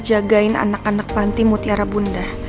jagain anak anak panti mutiara bunda